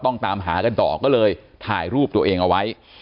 ตามหากันต่อก็เลยถ่ายรูปตัวเองเอาไว้